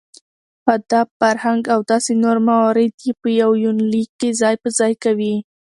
اداب ،فرهنګ او داسې نور موارد يې په يونليک کې ځاى په ځاى کوي .